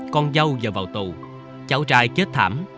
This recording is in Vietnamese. con dâu giờ vào tù cháu trai chết thảm